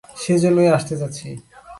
সে জন্যেই আসতে চাচ্ছি।